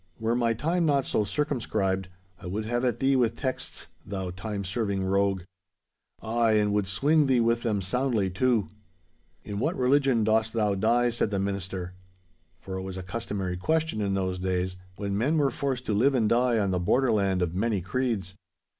Were my time not so circumscribed, I would have at thee with texts, thou time serving rogue. Ay, and would swinge thee with them soundly, too.' 'In what religion dost thou die?' said the minister. For it was a customary question in those days, when men were forced to live and die on the borderland of many creeds.